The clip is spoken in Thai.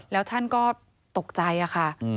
แล้วท่านก็ตกใจค่ะ